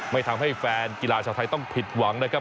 ไม่ทำให้แฟนกีฬาชาวไทยต้องผิดหวังนะครับ